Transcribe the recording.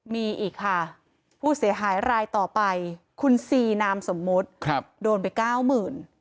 มีอีกค่ะผู้เสียหายรายต่อไปคุณซีนามสมมุติโดนไปเก้าหมื่น